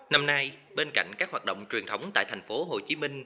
năm nay bên cạnh các hoạt động truyền thống tại tp hcm